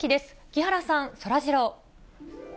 木原さん、そらジロー。